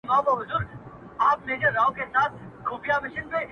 ته چي را سره یې له انار سره مي نه لګي.!